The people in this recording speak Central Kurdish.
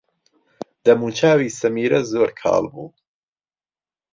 دەموچاوی سەمیرە زۆر کاڵ بوو.